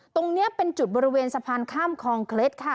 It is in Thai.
ตรงนี้เป็นจุดบริเวณสะพานข้ามคลองเคล็ดค่ะ